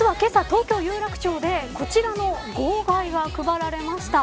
東京、有楽町でこちらの号外が配られました。